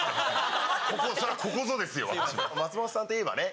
松本さんといえばね